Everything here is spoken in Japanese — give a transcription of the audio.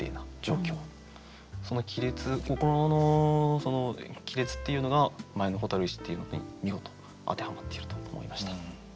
その亀裂心の亀裂っていうのが前の「蛍石」っていうのに見事当てはまっていると思いました。